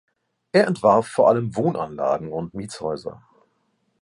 Er entwarf vor allem Wohnanlagen und Mietshäuser.